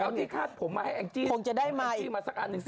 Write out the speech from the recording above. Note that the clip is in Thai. แปลว่าที่ค่ะผมมาให้แอนจี้มาสักอันหนึ่งซิ